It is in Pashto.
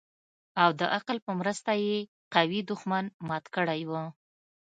او د عقل په مرسته يې قوي دښمن مات کړى و.